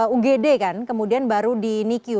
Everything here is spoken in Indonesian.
ugd kan kemudian baru di nicu